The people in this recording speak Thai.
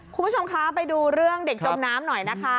คุณผู้ชมคะไปดูเรื่องเด็กจมน้ำหน่อยนะคะ